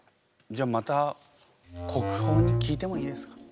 じゃあまた国宝に聞いてもいいですか？